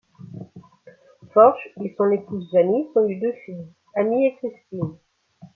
Forsch et son épouse Janice ont eu deux filles, Amy et Kristin.